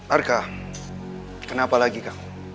arka kenapa lagi kamu